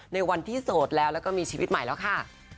ในวันที่โสดแล้วแล้วก็มีชีวิตใหม่แล้วค่ะ